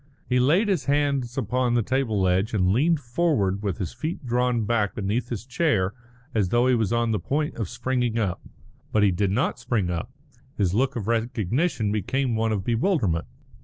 He laid his hands upon the table edge, and leaned forward with his feet drawn back beneath his chair as though he was on the point of springing up. But he did not spring up. His look of recognition became one of bewilderment.